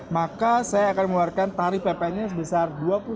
maka saya akan mengeluarkan tarif pmp sebesar dua puluh satu sembilan ratus empat puluh tiga